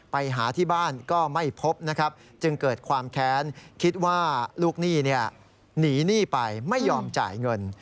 ไปหาที่บ้านก็ไม่พบนะครับจึงเกิดความแค้นคิดว่าลูกหนี้หนีหนี้ไปไม่ยอมจ่ายเงิน